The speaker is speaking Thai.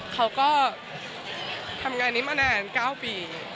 เขาก็ทำงานนี้มานาน๙ปี